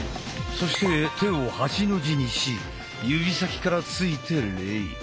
そして手を八の字にし指先からついて礼。